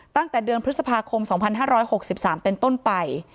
ตั้งแต่เดือนพฤษภาคมสองพันห้าร้อยหกสิบสามเป็นต้นไป